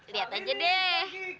lihat aja deh